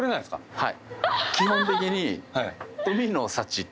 はい。